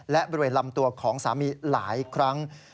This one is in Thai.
และบริเวณลำตัวของสามีหลายครั้ง